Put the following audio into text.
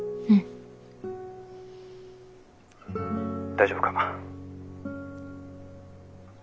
大丈夫か？